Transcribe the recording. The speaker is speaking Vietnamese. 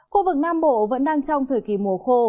khu vực nam bộ vẫn đang trong thời kỳ mùa khô